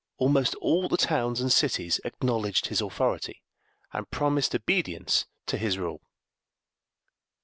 Almost all the towns and cities acknowledged his authority, and promised obedience to his rule.